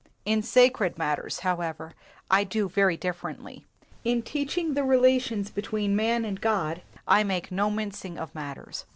In sacred matters, however, I do very differently. In teaching the relations between man and God I make no mincing of matters.